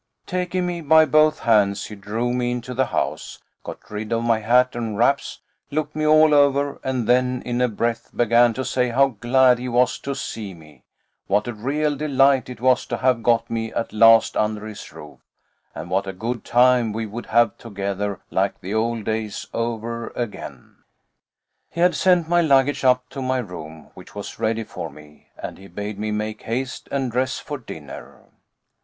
Taking me by both hands, he drew me into the house, got rid of my hat and wraps, looked me all over, and then, in a breath, began to say how glad he was to see me, what a real delight it was to have got me at last under his roof, and what a good time we would have together, like the old days over again. He had sent my luggage up to my room, which was ready for me, and he bade me make haste and dress for dinner.